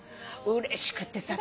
うれしくてさ。